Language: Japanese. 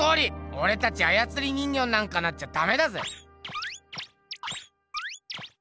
おれたちあやつり人形になんかなっちゃダメだぜ！